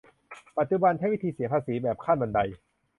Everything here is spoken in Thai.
ปัจจุบันใช้วิธีเสียภาษีแบบขั้นบันได